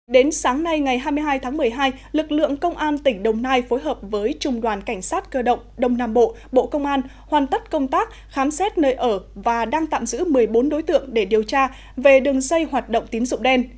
đến sáng nay ngày hai mươi hai tháng một mươi hai lực lượng công an tỉnh đồng nai phối hợp với trung đoàn cảnh sát cơ động đông nam bộ bộ công an hoàn tất công tác khám xét nơi ở và đang tạm giữ một mươi bốn đối tượng để điều tra về đường dây hoạt động tín dụng đen